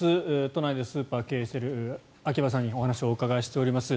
都内でスーパーを経営している秋葉さんにお話をお伺いしています。